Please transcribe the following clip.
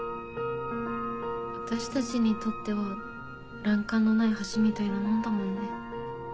私たちにとっては欄干のない橋みたいなもんだもんね。